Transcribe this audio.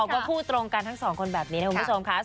ก็พูดตรงกันทั้งสองคนแบบนี้นะคุณผู้ชมค่ะ